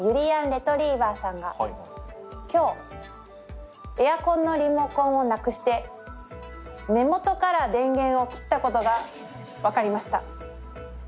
レトリィバァさんが今日エアコンのリモコンをなくして根元から電源を切ったことが分かりました。